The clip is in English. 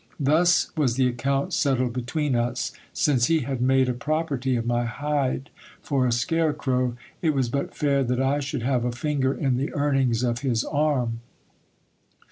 Thus was the account settled between us, since he had made a property of my hide for a scarecrow, it was but fair that I should have a finger in the earnings of his arm.